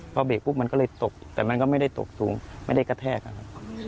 พอเบรกปุ๊บมันก็เลยตกแต่มันก็ไม่ได้ตกสูงไม่ได้กระแทกนะครับ